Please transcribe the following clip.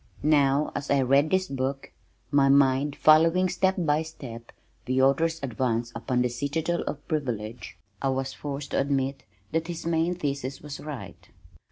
Now as I read this book, my mind following step by step the author's advance upon the citadel of privilege, I was forced to admit that his main thesis was right.